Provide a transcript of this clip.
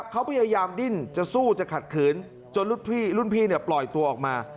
เขาพยายามดิ้นจะสู้จะขัดขืนจนรุ่นพี่รุ่นพี่ปล่อยตัวออกมา